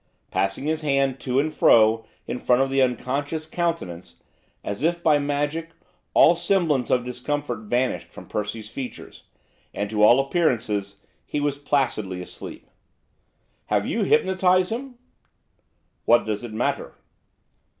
Passing his hand to and fro in front of the unconscious countenance, as if by magic all semblance of discomfort vanished from Percy's features, and, to all appearances, he was placidly asleep. 'Have you hypnotised him?' 'What does it matter?